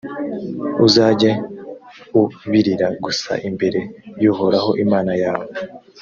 uzajye ubirira gusa imbere y’uhoraho imana yawe,